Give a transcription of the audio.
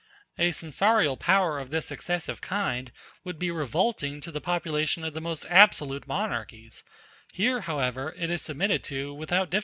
*c A censorial power of this excessive kind would be revolting to the population of the most absolute monarchies; here, however, it is submitted to without difficulty.